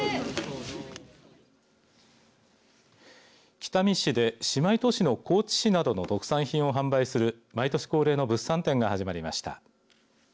北見市で姉妹都市の高知市などの特産品を販売する毎年恒例の物産展が始まりました。